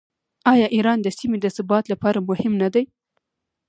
آیا ایران د سیمې د ثبات لپاره مهم نه دی؟